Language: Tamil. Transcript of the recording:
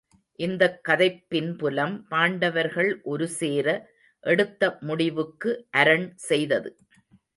இந்தக் கதைப்பின்புலம் பாண்டவர்கள் ஒரு சேர எடுத்த முடிவுக்கு அரண் செய்தது.